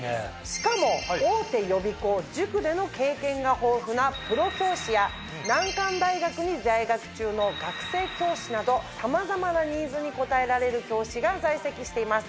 しかも大手予備校塾での経験が豊富なプロ教師や。などさまざまなニーズに応えられる教師が在籍しています。